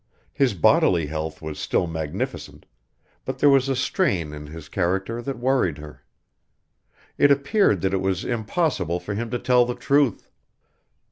His bodily health was still magnificent, but there was a strain in his character that worried her. It appeared that it was impossible for him to tell the truth.